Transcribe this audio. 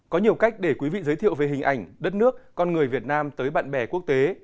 có nhiều cách để quý vị giới thiệu về hình ảnh đất nước con người việt nam tới bạn bè quốc tế